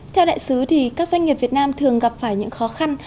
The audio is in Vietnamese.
theo đại sứ thì các doanh nghiệp việt nam thường gặp phải những khó khăn